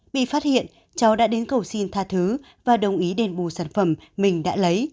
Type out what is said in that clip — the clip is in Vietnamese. bị phát hiện cháu đã đến cầu xin tha thứ và đồng ý đền bù sản phẩm mình đã lấy